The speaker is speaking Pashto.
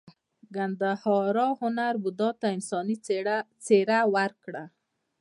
ګندهارا هنر بودا ته انساني څیره ورکړه